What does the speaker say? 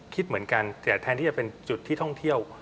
คิดเหมือนกันแต่แทนที่จะเป็นจุดที่ท่องเที่ยว